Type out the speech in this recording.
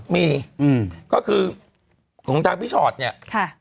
มีก็คือของทางพี่ชอตเนี่ย